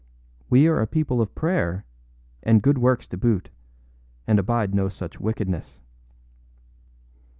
We are a people of prayer, and good works to boot, and abide no such wickedness.